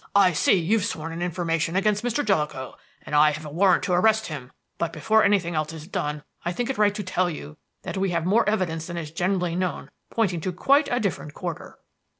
"I see you've sworn an information against Mr. Jellicoe, and I have a warrant to arrest him; but before anything else is done I think it right to tell you that we have more evidence than is generally known pointing to quite a different quarter."